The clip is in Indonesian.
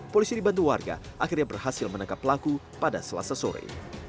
polisi dibantu warga akhirnya berhasil menangkap pelaku pada selasa sore